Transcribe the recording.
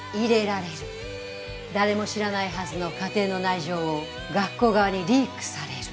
誰も知らないはずの家庭の内情を学校側にリークされる。